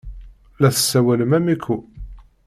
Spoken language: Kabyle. La tessawalem am Eco.